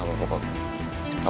aku udah kenal